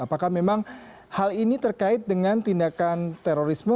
apakah memang hal ini terkait dengan tindakan terorisme